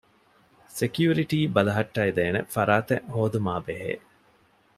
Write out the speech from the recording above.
ސެކިއުރިޓީ ބަލައްޓައިދޭނެ ފަރާތެއް ހޯދުމާއި ބެހޭ